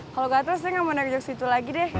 kalau gatel saya gak mau naik jauh situ lagi deh